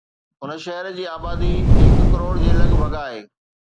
هن شهر جي آبادي هڪ ڪروڙ جي لڳ ڀڳ آهي